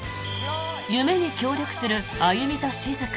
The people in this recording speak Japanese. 夢に協力する歩と静。